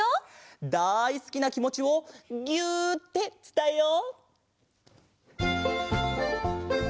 だいすきなきもちをぎゅーってつたえよう！